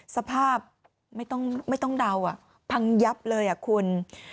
สภาพไม่ต้องเดาพังยับเลยคุณ